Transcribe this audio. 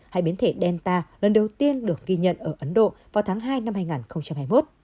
hai biến thể delta lần đầu tiên được ghi nhận ở ấn độ vào tháng hai năm hai nghìn hai mươi một